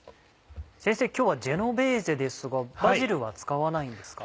今日はジェノベーゼですがバジルは使わないんですか？